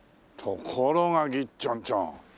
ところがぎっちょんちょん